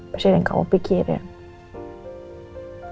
pasti ada yang kamu pikirin